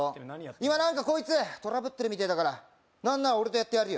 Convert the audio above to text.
今何かコイツトラブってるみてえだから何なら俺とやってやるよ